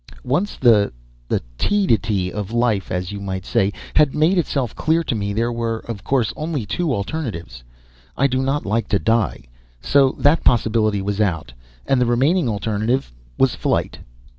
Once the the tediety of life, as you might say, had made itself clear to me, there were, of course, only two alternatives. I do not like to die, so that possibility was out; and the remaining alternative was flight.